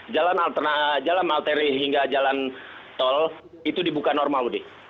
jalan arteri hingga jalan tol itu dibuka normal budi